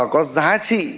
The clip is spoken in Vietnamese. có giá trị